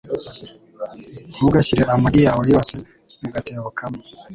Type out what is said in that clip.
Ntugashyire amagi yawe yose mu gatebo kamwe.